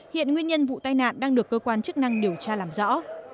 hiện nguyên nhân vụ tai nạn đang được cơ quan chức năng điều tra làm rõ